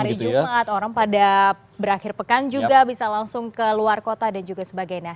hari jumat orang pada berakhir pekan juga bisa langsung ke luar kota dan juga sebagainya